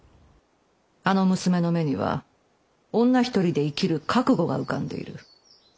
あの娘の目には女一人で生きる覚悟が浮かんでいる。